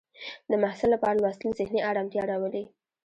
د محصل لپاره لوستل ذهني ارامتیا راولي.